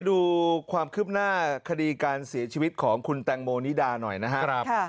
ดูความคืบหน้าคดีการเสียชีวิตของคุณแตงโมนิดาหน่อยนะครับ